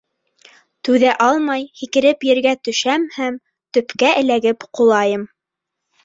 Түҙә алмай, һикереп ергә төшәм һәм төпкә эләгеп ҡолайым.